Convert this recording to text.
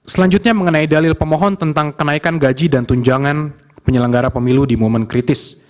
selanjutnya mengenai dalil pemohon tentang kenaikan gaji dan tunjangan penyelenggara pemilu di momen kritis